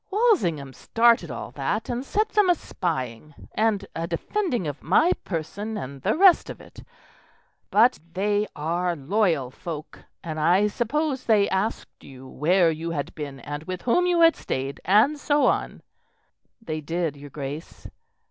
Walsingham started all that and set them a spying and a defending of my person and the rest of it; but they are loyal folk, and I suppose they asked you where you had been and with whom you had stayed, and so on?" "They did, your Grace."